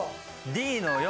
Ｄの４。